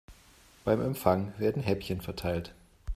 Beim Empfang werden Häppchen verteilt.